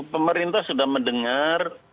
pemerintah sudah mendengar